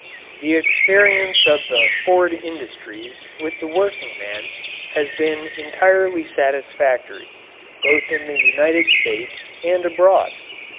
The experience of the Ford industries with the workingman has been entirely satisfactory, both in the United States and abroad.